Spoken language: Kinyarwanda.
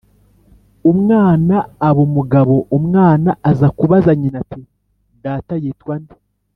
Umwana aba umugabo; umwana aza kubaza nyina ati: "Data yitwaga nde?"